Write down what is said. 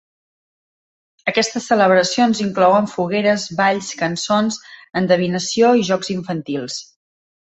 Aquestes celebracions inclouen fogueres, balls, cançons, endevinació i jocs infantils.